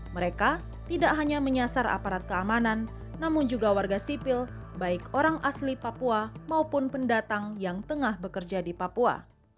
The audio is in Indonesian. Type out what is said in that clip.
mereka tidak hanya menyasar aparat keamanan namun juga warga sipil baik orang asli papua maupun pendatang yang tengah bekerja di papua